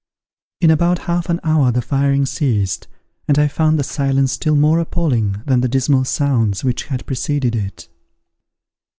In about half an hour the firing ceased, and I found the silence still more appalling than the dismal sounds which had preceded it.